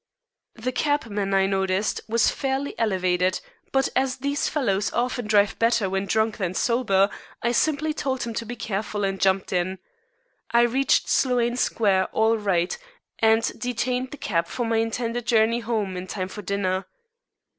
The cabman, I noticed, was fairly elevated, but as these fellows often drive better when drunk than sober, I simply told him to be careful, and jumped in. I reached Sloane Square all right, and detained the cab for my intended journey home in time for dinner.